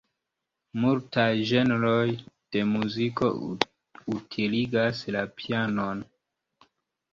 Multaj ĝenroj de muziko utiligas la pianon.